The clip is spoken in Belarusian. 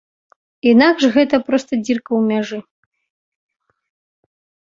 Інакш, гэта проста дзірка ў мяжы.